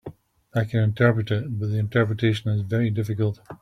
I can interpret it, but the interpretation is very difficult.